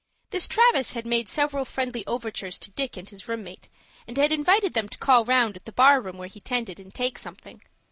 This Travis had made several friendly overtures to Dick and his room mate, and had invited them to call round at the bar room where he tended, and take something.